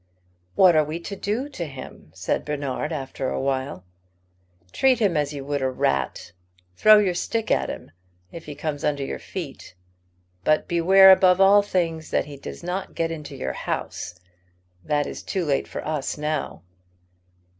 "What are we to do to him?" said Bernard, after a while. "Treat him as you would a rat. Throw your stick at him, if he comes under your feet; but beware, above all things, that he does not get into your house. That is too late for us now."